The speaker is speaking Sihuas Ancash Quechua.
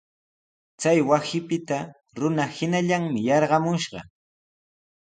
Chay wasipita runa hinallanmi yarqamushqa.